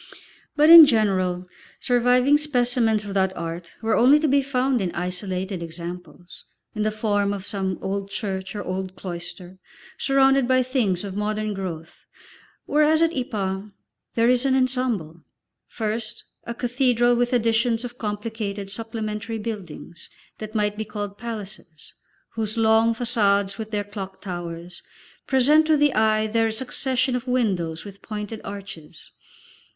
But in general, surviving specimens of that Art were only to be found in isolated examples, in the form of some old church or old cloister, surrounded by things of modern growth, whereas at Ypres, there is an ensemble; first a cathedral with additions of complicated supplementary buildings, that might be called palaces, whose long façades with their clock towers present to the eye their succession of windows with pointed arches.